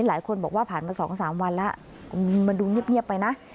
หลายคนบอกว่าผ่านมา๒๓วันแล้วมันดูเงียบไปนะ